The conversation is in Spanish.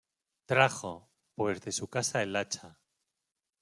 Trajo, pues de su casa el hacha.